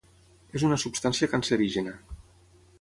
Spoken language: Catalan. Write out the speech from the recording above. És una substància cancerígena.